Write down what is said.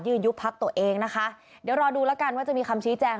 ยุบพักตัวเองนะคะเดี๋ยวรอดูแล้วกันว่าจะมีคำชี้แจง